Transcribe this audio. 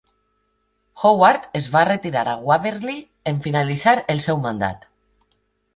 Howard es va retirar a "Waverly" en finalitzar el seu mandat.